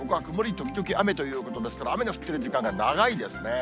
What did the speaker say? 時々雨ということですから、雨が降っている時間が長いですね。